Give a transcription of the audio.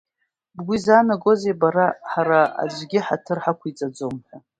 Бгәы изаанагозеи бара, ҳара аӡәгьы ҳаҭыр ҳақәиҵаӡом ҳәа?